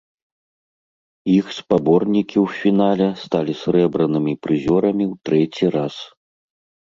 Іх спаборнікі ў фінале сталі срэбранымі прызёрамі ў трэці раз.